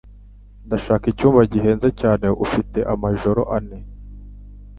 Ndashaka icyumba gihenze cyane ufite amajoro ane.